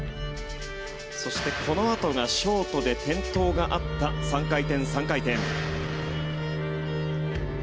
そして、このあとがショートで転倒があった３回転、３回転。